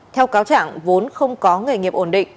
theo cáo chẳng vốn không có nghề nghiệp ổn định